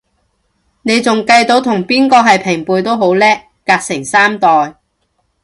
你仲計到同邊個係平輩都好叻，隔成三代